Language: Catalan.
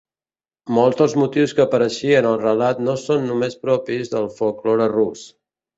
Molts dels motius que apareixen al relat no són només propis del folklore Rus.